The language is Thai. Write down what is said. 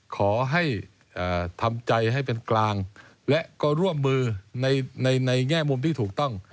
ขอให้ทำใจให้เป็นกลางและก็ร่วมมือในแง่มุมที่ถูกต้อง